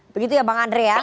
begitu ya bang andre ya